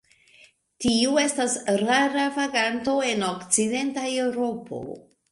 Tiu estas rara vaganto en okcidenta Eŭropo.